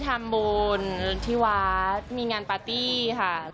ทำบุญที่วัดมีงานปาร์ตี้ค่ะ